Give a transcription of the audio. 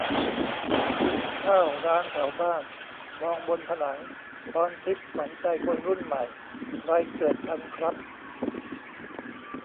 กินข้าวร้านแถวบ้าน มองบนผนัง 'ภรณ์ทิพย์ ขวัญใจคนรุ่นใหม่' ใครเกิดทันครับ ?